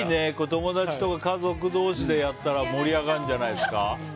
友達とか家族同士でやったら盛り上がるんじゃないですか。